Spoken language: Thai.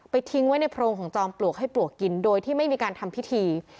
ทิ้งไว้ในโพรงของจอมปลวกให้ปลวกกินโดยที่ไม่มีการทำพิธี